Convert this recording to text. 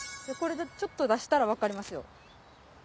れでちょっと出したら分かりますよ。